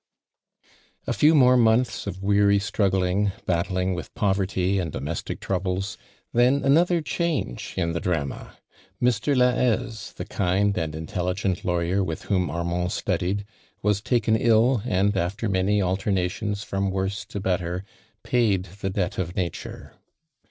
A few moremonthHof weary .struggling— battling with poverty umlddme^tic troubles — then another change in the dmma. Mr. Laliaise, the kind and intelligent lawyer with whom Armand studietl, was taken ill, and after many alti'mations from worse to better, paid the debt of nature.